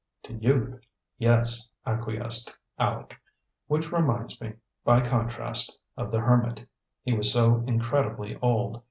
"To youth, yes," acquiesced Aleck. "Which reminds me, by contrast, of the hermit; he was so incredibly old.